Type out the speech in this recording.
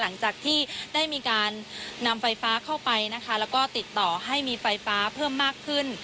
หลังจากที่ได้มีการนำไฟฟ้าเข้าไปนะคะแล้วก็ติดต่อให้มีไฟฟ้าเพิ่มมากขึ้น